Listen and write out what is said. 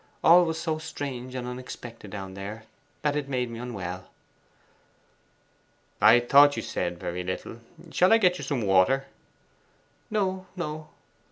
All was so strange and unexpected down there, that it made me unwell.' 'I thought you said very little. Shall I get some water?' 'No, no.